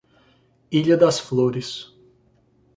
Ilha das Flores